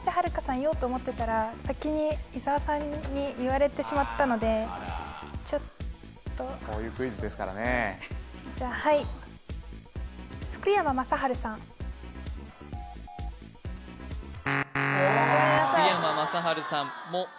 言おうと思ってたら先に伊沢さんに言われてしまったのでちょっとそういうクイズですからねじゃあはい福山雅治さんごめんなさい